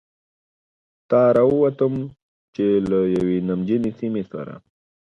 ته را ووتم، چې له یوې نمجنې سیمې سره.